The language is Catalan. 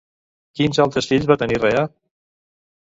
Quins altres fills va tenir Rea?